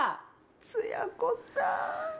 つや子さん。